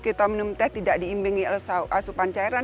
atau minum teh tidak diimbangi oleh asupan cairan